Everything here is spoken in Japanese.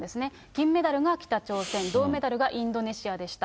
銀メダルが北朝鮮、銅メダルがインドネシアでした。